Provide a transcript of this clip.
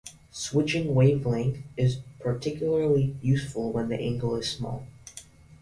Switching wavelength is particularly useful when the angle is small.